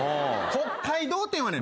北海道展はね